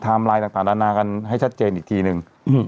ไลน์ต่างนานากันให้ชัดเจนอีกทีนึง